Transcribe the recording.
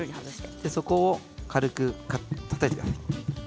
そこを軽くたたいてください。